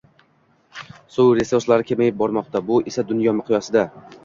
suv resurslari kamayib bormoqda, bu esa dunyo miqyosida